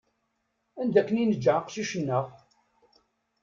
Anda akken i neǧǧa aqcic-nneɣ?